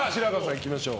いきましょう。